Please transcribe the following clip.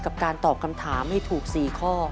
การตอบคำถามให้ถูก๔ข้อ